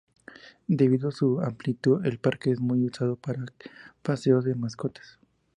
Debido a su amplitud, el parque es muy usado para paseo de mascotas.